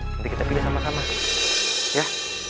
nanti kita pilih sama sama